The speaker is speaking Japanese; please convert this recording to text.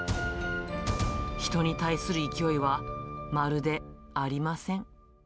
人に対する勢いはまるでありません。